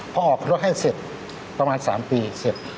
พอออกรถให้เสร็จประมาณ๓ปีเสร็จ